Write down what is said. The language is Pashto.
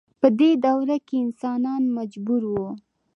په دې دوره کې انسانان مجبور وو.